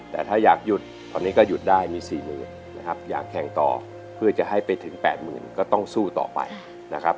แต่ถ้าอยากหยุดตอนนี้ก็หยุดได้มี๔๐๐๐นะครับอยากแข่งต่อเพื่อจะให้ไปถึง๘๐๐๐ก็ต้องสู้ต่อไปนะครับ